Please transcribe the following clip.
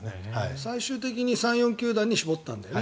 最終的に３４球団に絞ったんだよね。